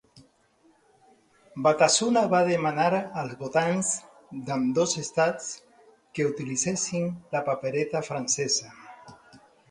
Batasuna va demanar als votants d'ambdós estats que utilitzessin la papereta francesa.